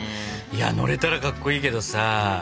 いや乗れたらかっこいいけどさ。